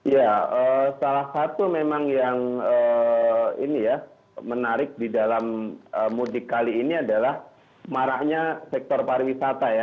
ya salah satu memang yang ini ya menarik di dalam mudik kali ini adalah marahnya sektor pariwisata ya